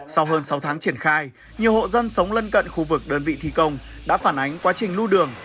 sau hơn sáu tháng triển khai nhiều hộ dân sống lân cận khu vực đơn vị thi công đã phản ánh quá trình lưu đường